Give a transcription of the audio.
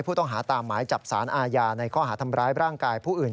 ผู้ต้องหาตามหมายจับสารอาญาในข้อหาทำร้ายร่างกายผู้อื่น